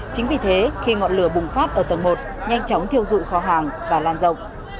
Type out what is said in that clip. chính vì thế khi ngọn lửa bùng phát ở tầng một nhanh chóng thiêu dụi kho hàng và lan rộng